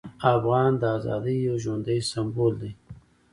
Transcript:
افغان د ازادۍ یو ژوندی سمبول دی.